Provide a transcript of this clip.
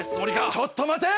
ちょっと待て！